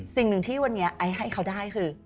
สิ่งหนึ่งที่วันนี้ไอซ์ให้เขาได้คือ